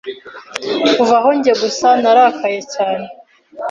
Kuva aho njye gusa narakaye cyane